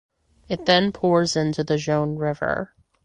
It then pours into the Jaune River.